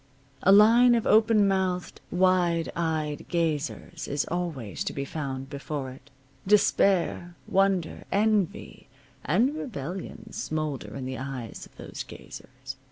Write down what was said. A line of open mouthed, wide eyed gazers is always to be found before it. Despair, wonder, envy, and rebellion smolder in the eyes of those gazers.